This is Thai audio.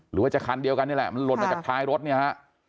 หรือว่าจะคันเดียวกันนี่แหละมันหล่นมาจากท้ายรถเนี่ยฮะ